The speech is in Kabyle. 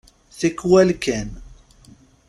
Tikwal kan.